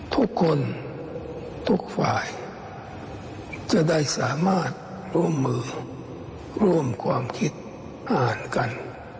ทุกคนทุกฝ่ายจะได้สามารถร่วมมือร่วมความคิดอาจกัน